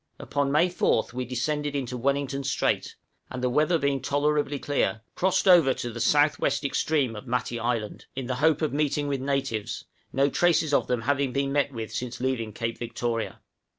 Upon May 4th we descended into Wellington Strait, and the weather being tolerably clear, crossed over to the south west extreme of Matty Island, in the hope of meeting with natives, no traces of them having been met with since leaving Cape Victoria.